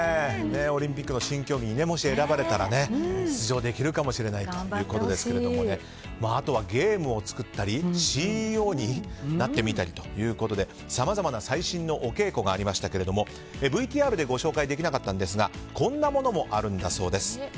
オリンピックの新競技にもし選ばれたら出場できるかもしれないということですけれどもあとはゲームを作ったりＣＥＯになってみたりとさまざまな最新のお稽古がありましたがＶＴＲでご紹介できなかったんですがこんなものもあるんだそうです。